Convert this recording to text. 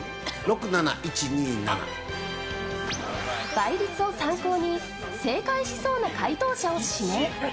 倍率を参考に、正解しそうな解答者を指名。